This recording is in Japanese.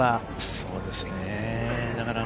そうですね。